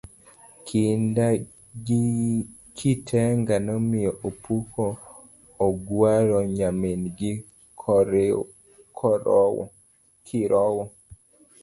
Kinda kitenga nomiyo opuk ogwaro nyarmin kirowo